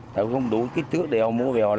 thì cũng không đủ tiền